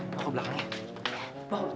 udah aku belakang ya